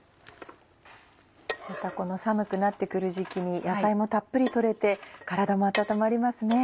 またこの寒くなって来る時期に野菜もたっぷり取れて体も温まりますね。